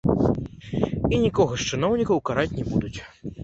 І нікога з чыноўнікаў караць не будуць.